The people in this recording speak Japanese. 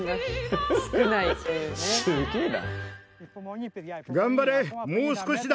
すげえな。